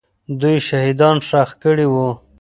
دوی شهیدان ښخ کړي وو.